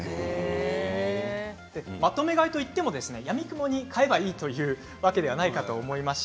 まとめ買いといってもやみくもに買えばいいというわけではありません。